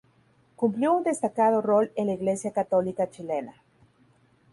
Cumplió un destacado rol en la Iglesia católica chilena.